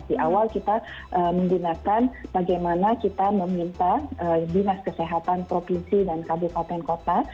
di awal kita menggunakan bagaimana kita meminta dinas kesehatan provinsi dan kabupaten kota